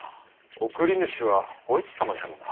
送り主はお市様じゃろうな。